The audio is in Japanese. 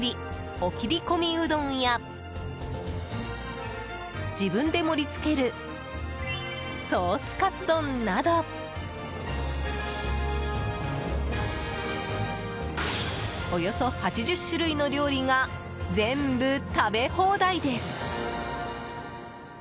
お切込みうどんや自分で盛り付けるソースカツ丼などおよそ８０種類の料理が全部食べ放題です。